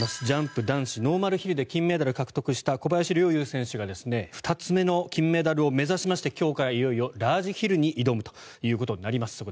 ジャンプ男子ノーマルヒルで金メダルを獲得した小林陵侑選手が２つ目の金メダルを目指して今日から、いよいよラージヒルに挑むことになります。